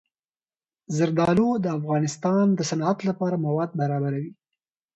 زردالو د افغانستان د صنعت لپاره مواد برابروي.